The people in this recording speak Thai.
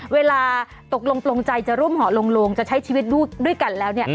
เวลาตกลงปลงใจจะร่วมหอลงจะใช้ชีวิตด้วยกันแล้ว